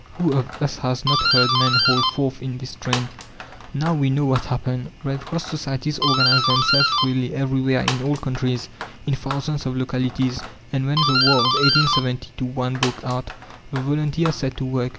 Who of us has not heard men hold forth in this strain? Now we know what happened. Red Cross societies organized themselves freely, everywhere, in all countries, in thousands of localities; and when the war of 1870 1 broke out, the volunteers set to work.